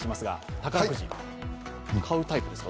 宝くじ、買うタイプですか？